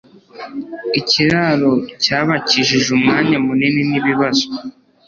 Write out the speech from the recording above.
Ikiraro cyabakijije umwanya munini nibibazo.